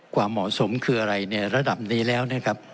ความเหมาะสมคืออะไรในระดับนี้แล้วนะครับ